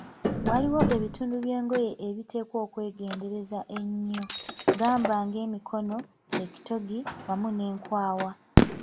Waliwo ebitundu by'engoye ebiteekwa okwegendereza ennyo, gamba ng'emikono, ekitogi wamu n'enkwawa.